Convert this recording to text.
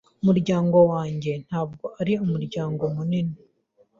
Umuryango wanjye ntabwo ari umuryango munini.